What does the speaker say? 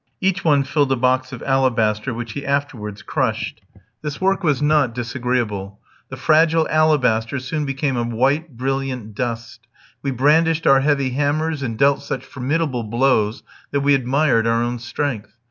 Each one filled a box of alabaster, which he afterwards crushed. This work was not disagreeable. The fragile alabaster soon became a white, brilliant dust. We brandished our heavy hammers, and dealt such formidable blows, that we admired our own strength.